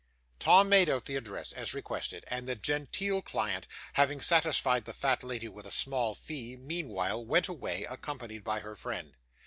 Tom made out the address, as requested, and the genteel client, having satisfied the fat lady with a small fee, meanwhile, went away accompanied by her friend.